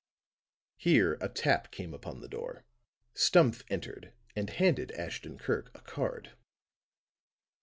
Here a tap came upon the door; Stumph entered and handed Ashton Kirk a card.